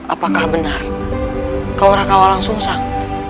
apakah benar kau raka walang sungsang